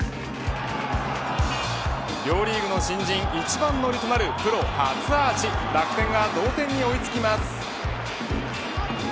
両リーグの新人一番乗りとなるプロ初アーチ、楽天が同点に追いつきます。